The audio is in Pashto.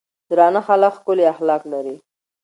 درانۀ خلک ښکلي اخلاق لري.